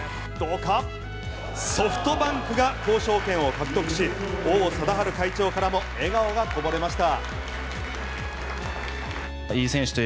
ソフトバンクが交渉権を獲得し王貞治会長からも笑顔がこぼれました。